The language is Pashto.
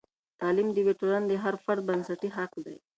تعلیم د یوې ټولنې د هر فرد بنسټي حق دی.